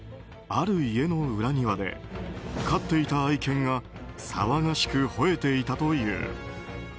ある家の裏庭で飼っていた愛犬が騒がしく吠えていたという。